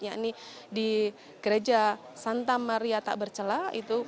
yakni di gereja santa maria takbercela